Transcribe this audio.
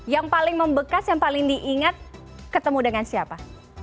yang paling membekas yang paling diingat ketemu dengan siapa